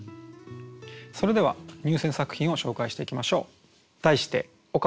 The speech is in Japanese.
それでは入選作品を紹介していきましょう。